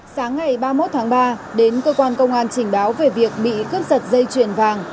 sáng ngày ba mươi một tháng ba đến cơ quan công an trình báo về việc bị cướp giật dây chuyền vàng